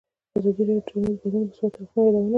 ازادي راډیو د ټولنیز بدلون د مثبتو اړخونو یادونه کړې.